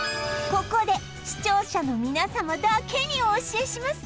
ここで視聴者の皆様だけにお教えします